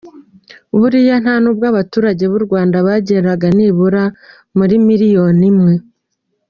Buriya nta n’ubwo abaturage b’u Rwanda bageraga nibura kuri miliyoni imwe.